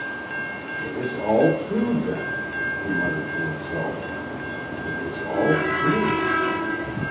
"It is all true, then," he muttered to himself; "it is all true."